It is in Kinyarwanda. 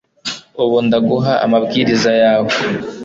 Ubu ndaguha amabwiriza yawe